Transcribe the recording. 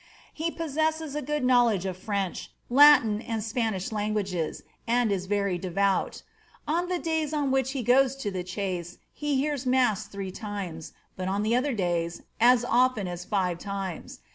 He possesses a good knowledge of the French, Latin, and Spanish languages, and is very devout On the days on which he goes to the chase he hears mass three times, but on the other days as o&n as five times.